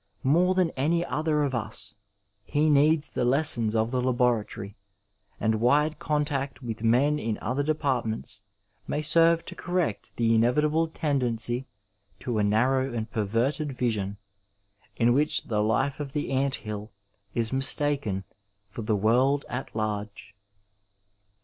More than any other of us, he needs the lessons of the laboratory, and wide contact with men in other departments may serve to correct the inevitable tendency to a narrow and perverted vision, in which the life of the ant hill is mistaken for the world at large.